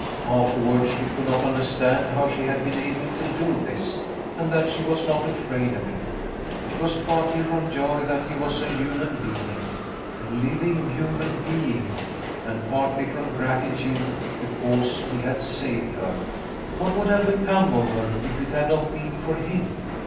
Afterwards she could not under stand how she had been able to do this, and that she was not afraid of him. It was partly from joy that he was a human being —^ living human being — ^and partly from gratitude, be cause he had saved her. What would have become of her if it had not been for him?